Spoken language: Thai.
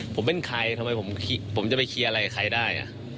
ผมเป็นใครทำไมผมจะไปเคลียร์อะไรกับใครได้